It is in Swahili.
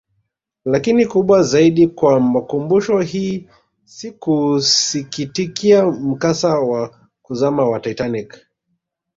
Lakini kubwa zaidi kwa makumbusho hii si kuusikitikia mkasa wa kuzama wa Titanic